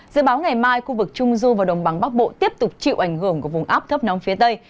dự báo ngày mai khu vực trung du và đồng bằng bắc bộ tiếp tục chịu ảnh hưởng của vùng áp thấp nóng phía tây